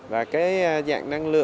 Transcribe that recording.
và cái dạng năng lượng